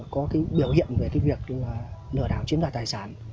có cái biểu hiện về cái việc lừa đảo chiếm đoạt tài sản